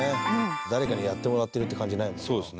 「誰かにやってもらってるって感じないもんね」